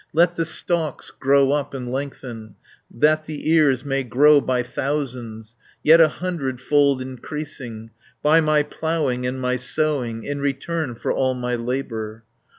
310 Let the stalks grow up and lengthen, That the ears may grow by thousands, Yet a hundredfold increasing, By my ploughing and my sowing, In return for all my labour.